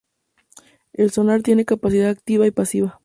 El Sonar tiene capacidad activa y pasiva.